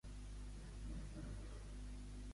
On va exposar Aparador?